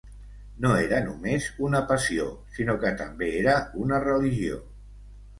No era només una passió, sinó que també era una religió.